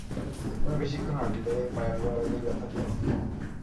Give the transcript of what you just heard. আমি বেশিক্ষণ হাঁটলে পায়ের গোরালি ব্যথা করে।